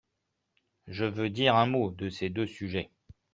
Je veux dire un mot de ces deux sujets.